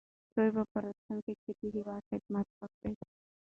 دوی به په راتلونکي کې د هېواد خدمت وکړي.